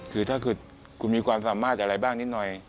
คือถ้าเกิดคุณมีความสามารถอะไรบ้างนิดหน่อย